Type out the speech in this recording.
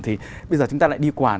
thì bây giờ chúng ta lại đi quản